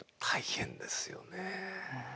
大変ですよね。